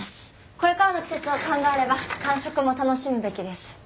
これからの季節を考えれば寒色も楽しむべきです。